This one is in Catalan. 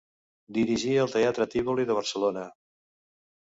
Dirigí el teatre Tívoli de Barcelona.